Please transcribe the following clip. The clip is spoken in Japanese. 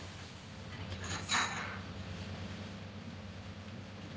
いただきます。